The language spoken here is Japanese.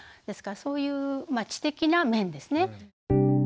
ですからそういう知的な面ですね。